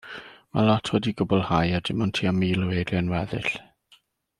Mae lot wedi'i gwblhau a dim ond tua mil o eiriau'n weddill.